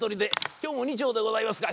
今日も２丁でございますか？